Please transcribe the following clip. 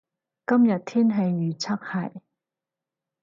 今日天氣預測係